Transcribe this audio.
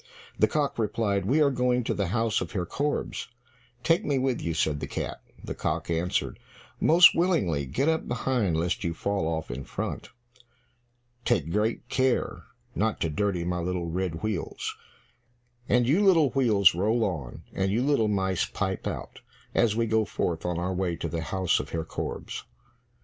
The cock replied, "We are going to the house of Herr Korbes." "Take me with you," said the cat. The cock answered, "Most willingly, get up behind, lest you fall off in front. Take great care not to dirty my little red wheels. And you little wheels, roll on, and you little mice pipe out, as we go forth on our way to the house of Herr Korbes."